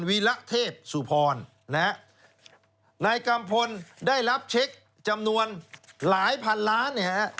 วีระเทพสุพรไนกัมพลได้รับเช็คจำนวนหลายพันล้านนี่นะครับ